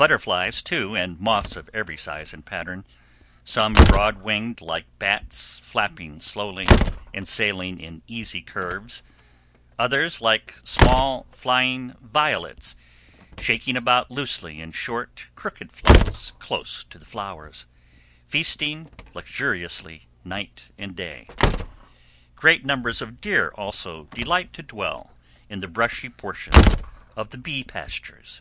Butterflies, too, and moths of every size and pattern; some broad winged like bats, flapping slowly, and sailing in easy curves; others like small, flying violets, shaking about loosely in short, crooked flights close to the flowers, feasting luxuriously night and day. Great numbers of deer also delight to dwell in the brushy portions of the bee pastures.